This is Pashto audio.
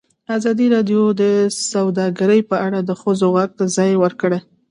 ازادي راډیو د سوداګري په اړه د ښځو غږ ته ځای ورکړی.